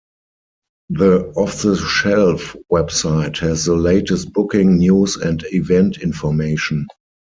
The Off the Shelf website has the latest Booking, News and Event information.